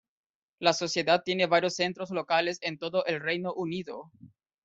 La sociedad tiene varios centros locales en todo el Reino Unido.